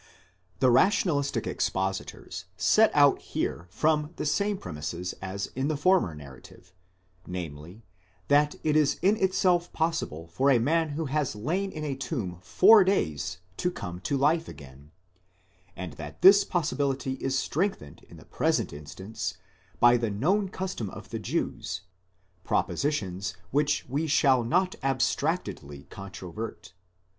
The rationalistic expositors set out here from the same premises as in the former narrative, namely, that it is in itself possible for a man who has lain in a tomb four days to come to life again, and that this possibility is strengthened in the present instance by the known custom of the Jews ; propositions which we shall not abstractedly controvert.